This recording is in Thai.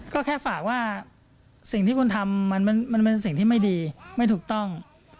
ก็แค่ฝากว่าสิ่งที่คุณทำมันเป็นสิ่งที่ไม่ดีไม่ถูกต้อง